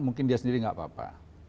mungkin dia sendiri nggak apa apa